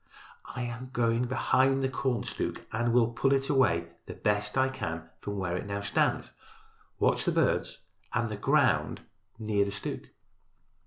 "I am going behind the corn stook and will pull it away as best I can from where it now stands. Watch the birds and the ground near the stook."